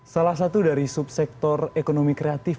salah satu dari subsektor ekonomi kreatif